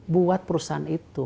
buat perusahaan itu